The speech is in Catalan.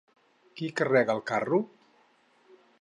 Qui carrega el carro?